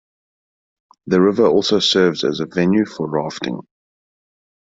The river also serves as a venue for rafting.